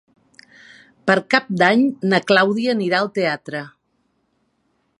Per Cap d'Any na Clàudia anirà al teatre.